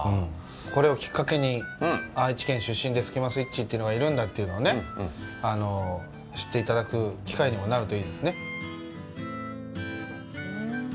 これをきっかけに、愛知県出身でスキマスイッチというのがいるんだというのを知っていただく機会にもなるといいですね。